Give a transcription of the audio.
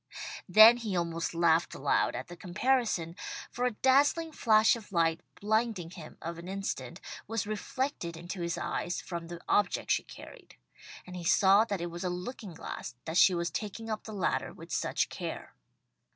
Then he almost laughed aloud at the comparison, for a dazzling flash of light, blinding him for an instant, was reflected into his eyes from the object she carried, and he saw that it was a looking glass that she was taking up the ladder with such care.